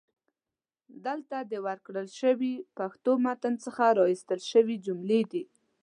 دلته د ورکړل شوي پښتو متن څخه را ایستل شوي جملې دي: